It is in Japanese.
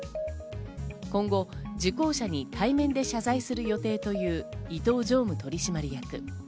今後、受講者に対面で謝罪する予定という伊東常務取締役。